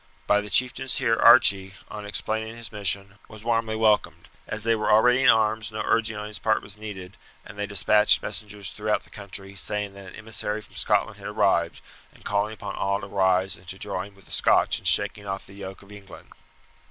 By the chieftains here Archie, on explaining his mission, was warmly welcomed. As they were already in arms no urging on his part was needed, and they despatched messengers throughout the country, saying that an emissary from Scotland had arrived, and calling upon all to rise and to join with the Scotch in shaking off the yoke of England.